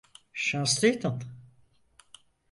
Şanslıydın.